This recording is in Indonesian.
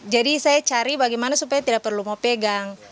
jadi saya cari bagaimana supaya tidak perlu mau pegang